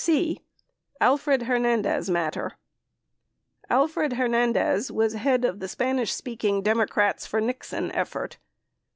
c. Alfred Hernandez Matter Alfred Hernandez was head of the Spanish speaking Democrats for Nixon effort.